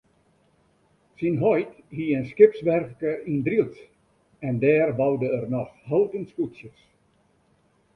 Syn heit hie in skipswerfke yn Drylts en dêr boude er noch houten skûtsjes.